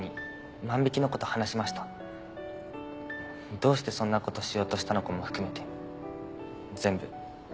どうしてそんな事しようとしたのかも含めて全部。